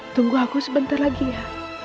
tunggu aku sebentar lagi ya